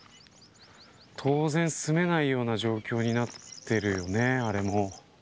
当然、住めないような状況になってるよね、あれも。